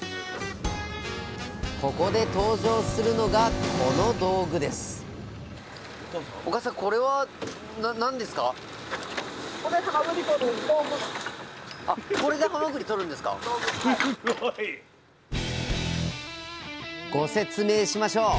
ここで登場するのがこの道具ですご説明しましょう！